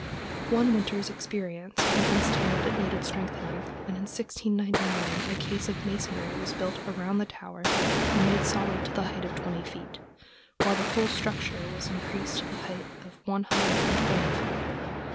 One winter's experience convinced him that it needed strengthening, and in 1699 a case of masonry was built about the tower, and made solid to the height of twenty feet, while the whole structure was increased to the height of one hundred and twenty feet.